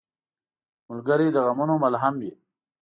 ملګری د غمونو ملهم وي.